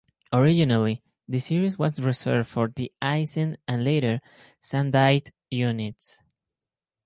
Originally the series was reserved for de-icing and, later, sandite units.